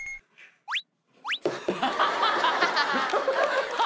ハハハハ！